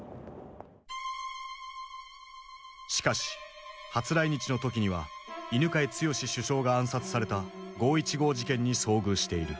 しかし初来日の時には犬養毅首相が暗殺された五・一五事件に遭遇している。